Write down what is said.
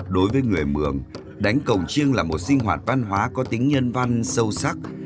đối với người mường đánh cồng chiêng là một sinh hoạt văn hóa có tính nhân văn sâu sắc